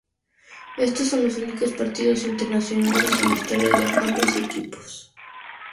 Estos son los únicos partidos internacionales en la historia de ambos equipos